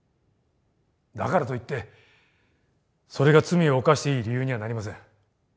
だからといってそれが罪を犯していい理由にはなりません。